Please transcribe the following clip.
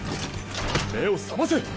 目を覚ませ！